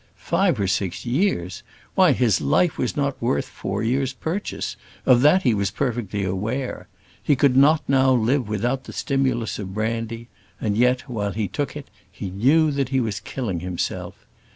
Five or six years! Why, his life was not worth four years' purchase; of that he was perfectly aware: he could not now live without the stimulus of brandy; and yet, while he took it, he knew he was killing himself.